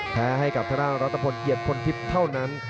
แค่ให้กับทะเลาะรัฐพลเกียจคนทิศเท่านั้น